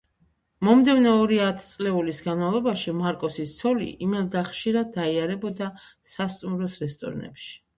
მომდევნო ორი ათწლეულის განმავლობაში მარკოსის ცოლი, იმელდა ხშირად დაიარებოდა სასტუმროს რესტორნებში.